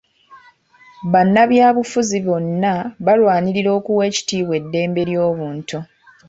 Bannabyabufuzi bonna balwanirira okuwa ekitiibwa eddembe ly'obuntu.